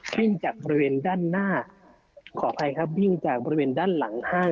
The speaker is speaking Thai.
วิ่งจากบริเวณด้านหน้าขออภัยครับวิ่งจากบริเวณด้านหลังห้าง